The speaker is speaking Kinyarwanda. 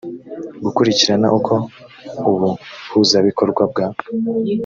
gukurikirana uko ubuhuzabikorwa bwa